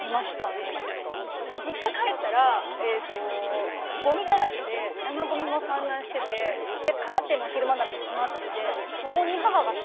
実家帰ったらごみだらけで生ごみも散乱しててカーテンも昼間なのに閉まっててそこに母が座ってたんですよ。